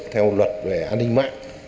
theo luật về an ninh mạng